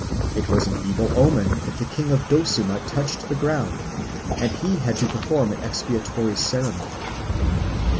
It was an evil omen if the king of Dosuma touched the ground, and he had to perform an expiatory ceremony.